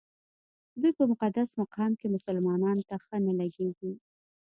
دوی په مقدس مقام کې مسلمانانو ته ښه نه لګېږي.